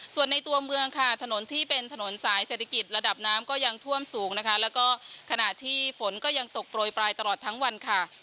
ส่วนในตัวเมืองถนนที่เป็นถนนสายเศรษฐกิจระดับน้ำยังท่วมสูงและขณะที่ฝนยังตกโปรยไปตลอดทั้งวัน